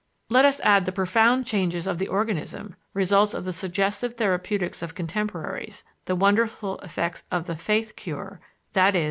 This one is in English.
Let us add the profound changes of the organism, results of the suggestive therapeutics of contemporaries; the wonderful effects of the "faith cure," i.e.